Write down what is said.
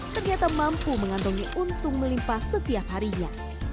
ternyata mampu mengantongi untung melimpah setiap harinya